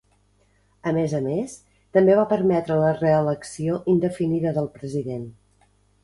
A més a més, també va permetre la reelecció indefinida del president.